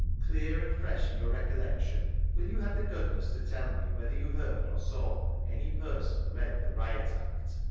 Clear and fresh in your recollection. Will you have the goodness to tell me whether you heard or saw any person read the Riot Act?